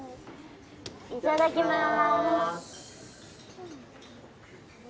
いただきます。